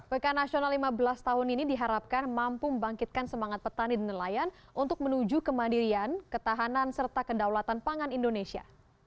pekan nasional lima belas tahun ini diharapkan mampu membangkitkan semangat petani dan nelayan untuk menuju kemandirian ketahanan serta kedaulatan pangan indonesia